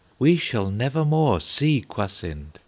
We shall never more see Kwasind!"